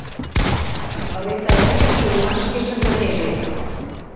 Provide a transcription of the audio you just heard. Ыресачатым чурмашке шындынеже!..